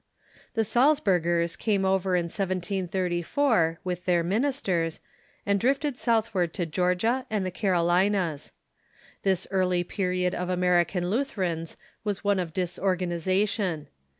The Salzburgei's came over in 1734, with their ministers, and drifted southward to Georgia and the Carolinas. This early period of American Lutherans was one of disorganization.